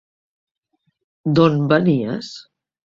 D'on venies?